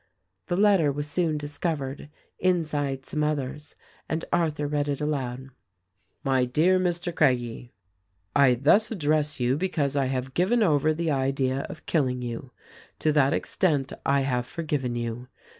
The letter was soon discovered, inside some others, and Arthur read it aloud : "My Dear Mr. Craggie: "I thus address you because I have given over the idea of killing you. To that extent I have forgiven you.